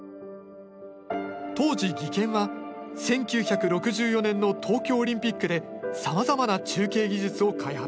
当時技研は１９６４年の東京オリンピックでさまざまな中継技術を開発。